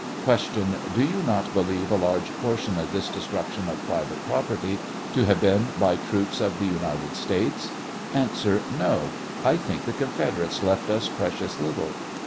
Q. Do you not believe a large portion of this destruc tion of private property to have been by troops of the United States? A. No ; I think the Confederates left us precious little.